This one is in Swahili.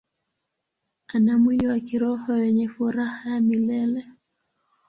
Ana mwili wa kiroho wenye furaha ya milele.